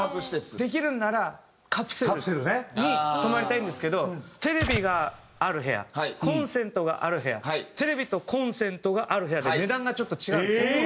できるのならカプセルに泊まりたいんですけどテレビがある部屋コンセントがある部屋テレビとコンセントがある部屋で値段がちょっと違うんですよ。